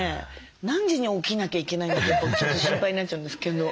何時に起きなきゃいけないんだってちょっと心配になっちゃうんですけど。